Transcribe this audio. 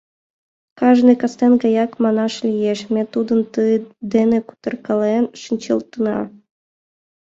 Кажне кастен гаяк, манаш лиеш, ме тудын дене кутыркален шинчылтынна.